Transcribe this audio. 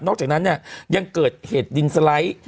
จากนั้นเนี่ยยังเกิดเหตุดินสไลด์